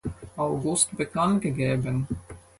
August bekanntgegeben.